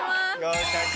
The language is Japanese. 合格。